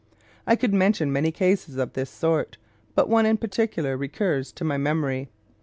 I could mention many cases of this sort, but one in particular recurs to my memory.